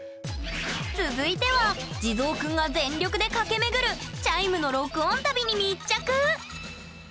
続いては地蔵くんが全力で駆け巡るチャイムの録音旅に密着！